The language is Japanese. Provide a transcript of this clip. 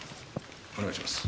お願いします。